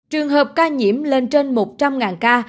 trường hợp ca nhiễm lên trên một trăm linh ca